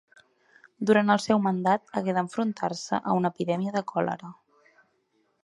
Durant el seu mandat hagué d'enfrontar-se a una epidèmia de còlera.